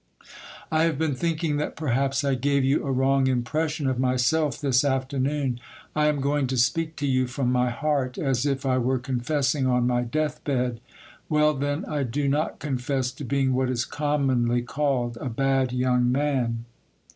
'I have been thinking that perhaps I gave you a wrong impression of myself, this afternoon. I am going to speak to you from my heart, as if I were confessing on my death bed. Well, then, I do not confess to being what is commonly called a bad young man.